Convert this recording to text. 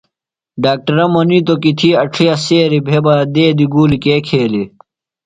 ڈاکٹرہ منِیتوۡ کی تھی اڇِھیہ سیریۡ بھےۡ بہ دیدیۡ گُولیۡ کے کھیلِے؟